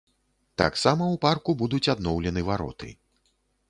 Таксама ў парку будуць адноўлены вароты.